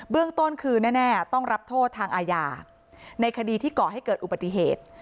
เรื่องต้นคือแน่ต้องรับโทษทางอาญาในคดีที่ก่อให้เกิดอุบัติเหตุ